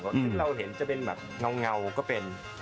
ถ้าเราเห็นจะเป็นแบบเงาก็เป็น